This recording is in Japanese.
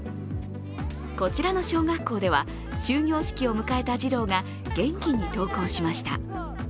こちらの小学校では終業式を迎えた児童が元気に登校しました。